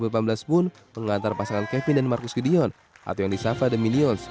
dua ribu delapan belas pun mengantar pasangan kevin dan marcus gideon atau yang disafa the minions